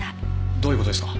どういう事ですか？